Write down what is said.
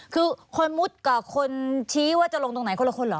คือคนมุดกับคนชี้ว่าจะลงตรงไหนคนละคนเหรอ